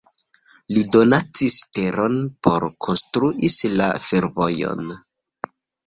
Li donacis teron por konstruis la fervojon.